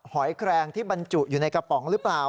หอยแครงที่บรรจุอยู่ในกระป๋องหรือเปล่า